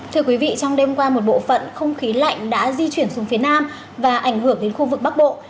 thưa quý vị trong đêm qua một bộ phận không khí lạnh đã di chuyển xuống phía nam và ảnh hưởng đến khu vực bắc bộ